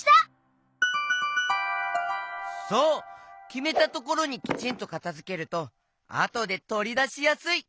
きめたところにきちんとかたづけるとあとでとりだしやすい。